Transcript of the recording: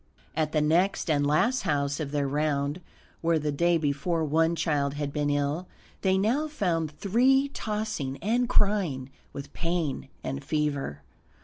At the next and last house of their round, where the day before one child had been ill, they now found three tossing and crying with pain and fever.